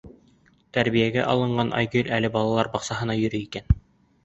Тәрбиәгә алынған Айгөл әле балалар баҡсаһына йөрөй икән.